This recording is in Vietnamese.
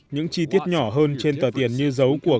những chi tiết nhỏ hơn trên tờ tiền như dấu của